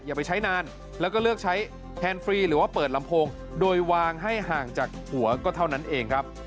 อย่าไปใช้นานแล้วก็เลือกใช้แทนฟรีหรือว่าเปิดลำโพงโดยวางให้ห่างจากหัวก็เท่านั้นเองครับ